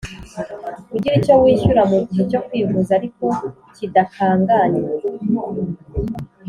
ugira icyo wishyura mu gihe cyo kwivuza ariko kidakanganye.